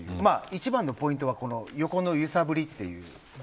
一番のポイントは横の揺さぶりという。